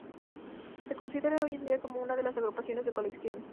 Se considera hoy en día como una de las agrupaciones de colección.